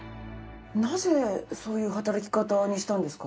なぜそういう働き方にしたんですか？